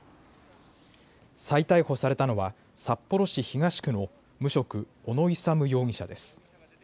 再逮捕されたのは札幌市東区の無職、小野勇容疑者です。